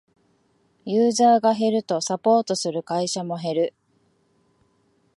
ユーザーが減るとサポートする会社も減る